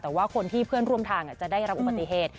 แต่ว่าคนที่เพื่อนร่วมทางจะได้รับอุบัติเหตุ